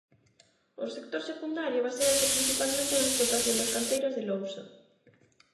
O sector secundario, baséase principalmente na explotación das canteiras de lousa.